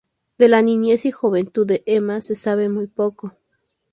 De la niñez y juventud de Emma se sabe muy poco.